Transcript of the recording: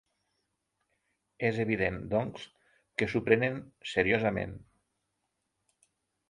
És evident, doncs, que s’ho prenen seriosament.